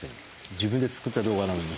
自分で作った動画なのに。